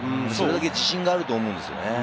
それだけ自信があると思うんですね。